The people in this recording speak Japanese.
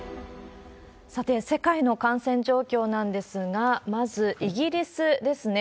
さて、世界の感染状況なんですが、まず、イギリスですね。